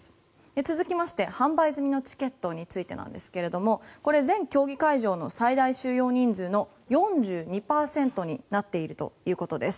続きまして販売済みのチケットに関してですがこれ、全競技会場の最大収容人数の４２％になっているということです。